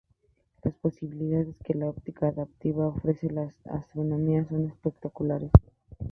Las posibilidades que la óptica adaptativa ofrece a la astronomía son espectaculares.